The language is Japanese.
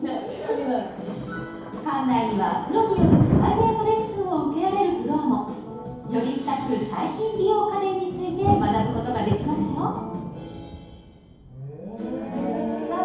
館内にはプロによるプライベートレッスンを受けられるフロアもより深く最新美容家電について学ぶことができますよさあ